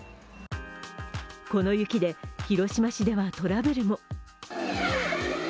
この雪で広島市ではトラブルも。